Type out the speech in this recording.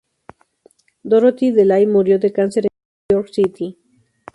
Dorothy DeLay murió de cancer en New York City.